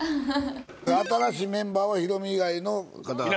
新しいメンバーはヒロミ以外の方々。